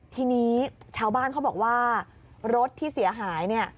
ทีนี้ชาวบ้านเขาบอกว่ารถที่เสียหายเนี่ย